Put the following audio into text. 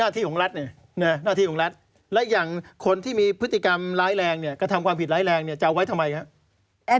ที่ของรัฐเนี่ยหน้าที่ของรัฐและอย่างคนที่มีพฤติกรรมร้ายแรงเนี่ยกระทำความผิดร้ายแรงเนี่ยจะเอาไว้ทำไมครับ